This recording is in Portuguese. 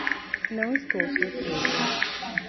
Não estou surpresa.